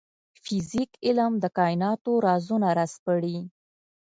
فزیک علم د کایناتو رازونه راسپړي